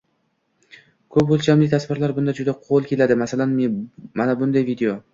Ko‘p o‘lchamli tasvirlar bunda juda qo‘l keladi, masalan, mana bunday video: